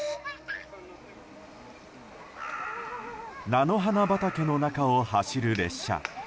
菜の花畑の中を走る列車。